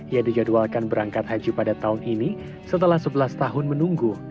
ia dijadwalkan berangkat haji pada tahun ini setelah sebelas tahun menunggu